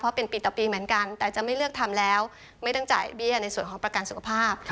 เพราะเป็นปีต่อปีเหมือนกันแต่จะไม่เลือกทำแล้วไม่ต้องจ่ายเบี้ยในส่วนของประกันสุขภาพ